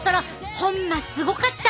ホンマすごかったな！